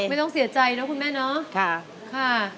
ไม่ต้องเสียใจเนอะคุณแม่เนอะค่ะค่ะค่ะค่ะ